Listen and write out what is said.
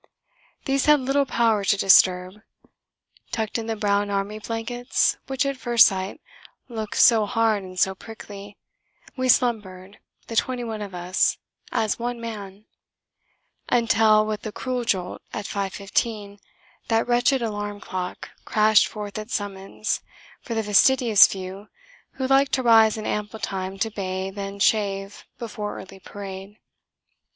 These had little power to disturb. Tucked in the brown army blankets, which at first sight look so hard and so prickly, we slumbered, the twenty one of us, as one man; until, with a cruel jolt, at 5.15 that wretched alarm clock crashed forth its summons for the fastidious few who liked to rise in ample time to bath and shave before early parade.